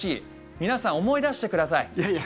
皆さん、思い出してください。